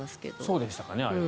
そうでしたかね。